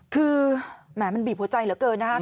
คือแหมมันบีบหัวใจเหลือเกินนะคะ